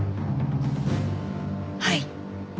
はい。